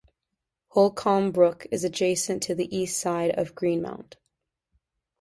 Holcombe Brook is adjacent to the East side of Greenmount.